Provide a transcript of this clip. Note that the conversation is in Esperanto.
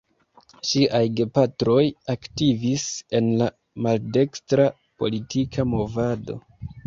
Ŝiaj gepatroj aktivis en la maldekstra politika movado.